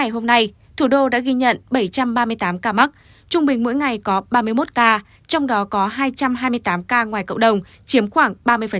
hôm nay thủ đô đã ghi nhận bảy trăm ba mươi tám ca mắc trung bình mỗi ngày có ba mươi một ca trong đó có hai trăm hai mươi tám ca ngoài cộng đồng chiếm khoảng ba mươi